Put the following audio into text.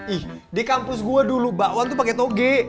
ih di kampus gua dulu bawang tuh pake toge